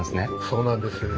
そうなんです。